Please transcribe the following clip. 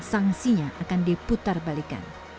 sangsinya akan diputar balikan